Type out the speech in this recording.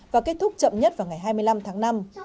và kết thúc chậm nhất vào ngày hai mươi năm tháng năm